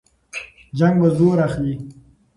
جنګ به زور اخلي.